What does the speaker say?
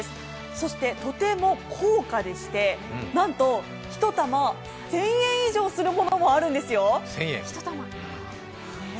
そしてとても高価でして、なんと１玉１０００円以上するものもあるんですよ。